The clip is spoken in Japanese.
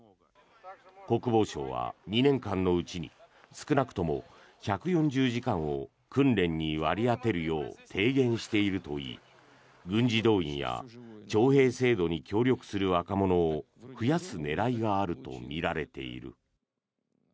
国防省は２年間のうちに少なくとも１４０時間を訓練に割り当てるよう提言しているといい軍事動員や徴兵制度に協力する若者を増やす狙いがあるとみられている。